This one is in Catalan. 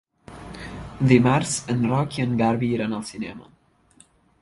Dimarts en Roc i en Garbí iran al cinema.